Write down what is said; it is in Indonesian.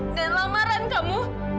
dan lamaran kamu